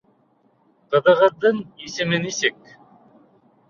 Ҡыҙығыҙҙың исеме нисек?